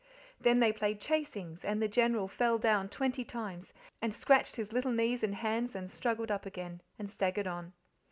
Then they played chasings, and the General fell down twenty times, and scratched his little knees and hands, and struggled up again. and staggered on.